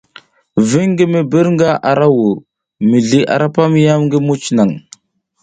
Viŋ ngi mi bi hirga ara ra vur, mizli ara pam yam ngi muc naŋ.